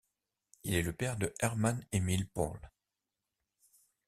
Il est le père de Hermann Emil Pohle.